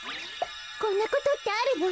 こんなことってあるの？